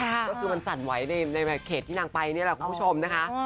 ก็คือมันสั่นไหวในเขตที่นางไปนี่แหละคุณผู้ชมนะคะ